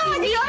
kamu tuh jahat